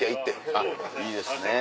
あっいいですね。